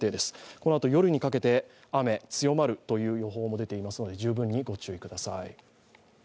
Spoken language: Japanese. このあと夜にかけて、雨、強まるという予報も出ていますので十分にご注意ください。